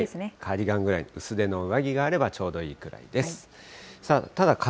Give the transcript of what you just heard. カーディガンぐらい、薄手の上着があればちょうどいいぐらいです。